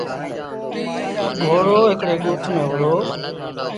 گھوڙو هڪڙي ڳوٺ ميݩ وهُڙو۔